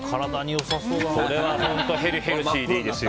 これはヘルヘルシーでいいですよ。